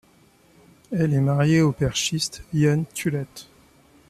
Elle est mariée au perchiste Ian Tullett.